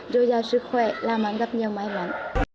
rồi ra sức khỏe la mạng gặp nhau mãi mãi